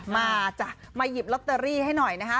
มาจ้ะมาหยิบลอตเตอรี่ให้หน่อยนะคะ